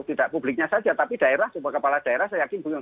tidak publiknya saja tapi daerah semua kepala daerah saya yakin belum